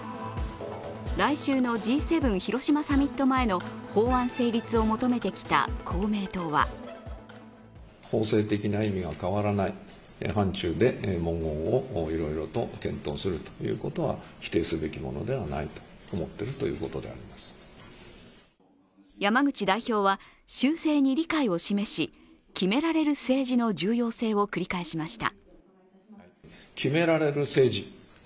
来週のＧ７広島サミット前の法案成立を求めてきた公明党は山口代表は修正に理解を示し決められる政治の重要性を繰り返しました。